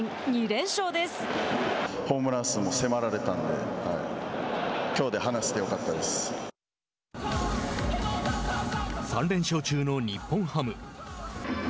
３連勝中の日本ハム。